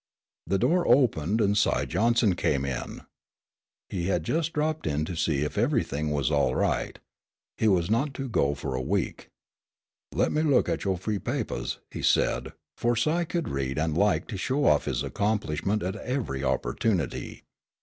The door opened and Si Johnson came in. He had just dropped in to see if everything was all right. He was not to go for a week. "Let me look at yo' free papahs," he said, for Si could read and liked to show off his accomplishment at every opportunity.